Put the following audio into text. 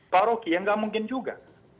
pak roki yang enggak mungkin juga